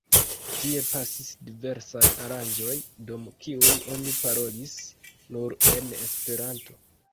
Tie pasis diversaj aranĝoj, dum kiuj oni parolis nur en Esperanto.